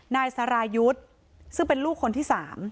นายสรายุทธ์ซึ่งเป็นลูกคนที่๓